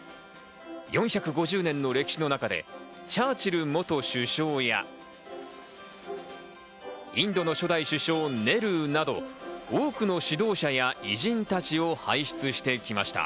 ４５０年の歴史の中でチャーチル元首相やインドの初代首相・ネルーなど多くの指導者や偉人たちを輩出してきました。